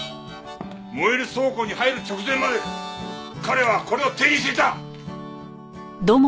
燃える倉庫に入る直前まで彼はこれを手にしていた！